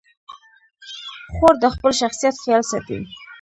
خور د خپل شخصیت خیال ساتي.